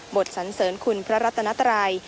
สันเสริญคุณพระรัตนัตรัย